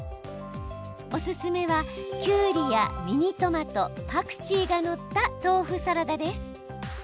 おすすめは、きゅうりやミニトマト、パクチーが載った豆腐サラダです。